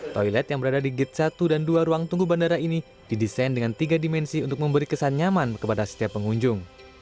toilet yang berada di gate satu dan dua ruang tunggu bandara ini didesain dengan tiga dimensi untuk memberi kesan nyaman kepada setiap pengunjung